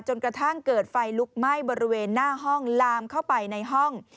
จนกระทั่งเกิดไฟลุกไหม้บริเวณหน้าห้องลามเข้าไปในห้อง